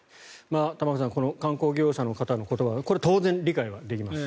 玉川さん観光業者の方の言葉当然理解はできます。